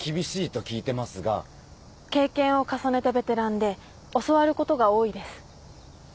経験を重ねたベテランで教わることが多いです。